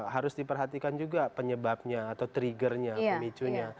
harus diperhatikan juga penyebabnya atau triggernya pemicunya